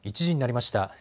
１時になりました。